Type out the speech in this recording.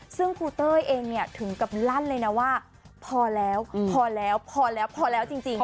ซึ่งครูเต้ยเองถึงกับรั่นเลยนะว่า